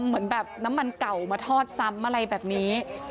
เหมือนแบบน้ำมันเก่ามาทอดซ้ำอะไรแบบนี้